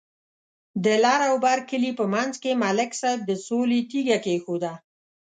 د لر او بر کلي په منځ کې ملک صاحب د سولې تیگه کېښوده.